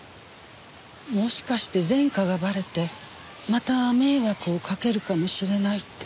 もしかして前科がバレてまた迷惑をかけるかもしれないって。